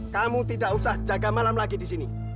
kamu tidak usah jaga malam lagi di sini